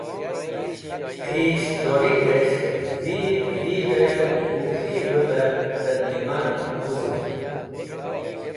Khis̃hdorig̃hẽs̃h dhir dhirẽ wuk̃hiv bẽ tẽr lẽman wuzomd.